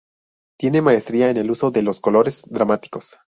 Tiene maestría en el uso de los colores dramáticos.